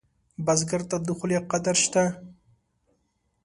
بزګر ته د خولې قدر شته